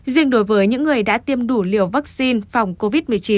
riêng đối với những người đã tiêm đủ liều vaccine phòng covid một mươi chín